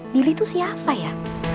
billy tuh siapa ya